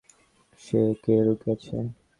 কে লুকিয়ে আছে?